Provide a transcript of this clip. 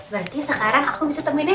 berarti sekarang aku bisa temuin nene ya